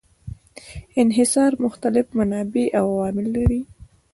انحصار مختلف منابع او عوامل لري.